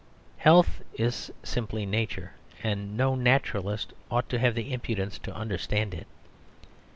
Health is simply Nature, and no naturalist ought to have the impudence to understand it.